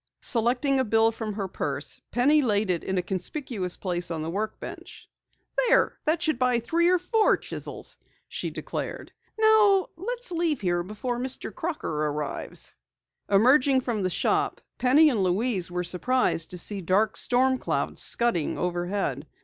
Selecting a bill from her purse, Penny laid it in a conspicuous place on the workbench. "There, that should buy three or four chisels," she declared. "Now let's leave here before Truman Crocker arrives." Emerging from the shop, Penny and Louise were surprised to see dark storm clouds scudding overhead.